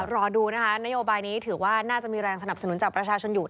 รอดูนะคะนโยบายนี้ถือว่าน่าจะมีแรงสนับสนุนจากประชาชนอยู่